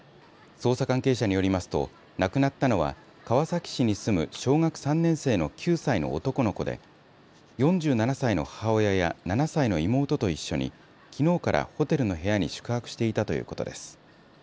捜査関係者によりますと亡くなったのは川崎市に住む小学３年生の９歳の男の子で４７歳の母親や７歳の妹と一緒にきのうからホテルの部屋に宿泊していたということです。